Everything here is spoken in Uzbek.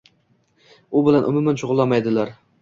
u bilan umuman shug‘ullanmaydilar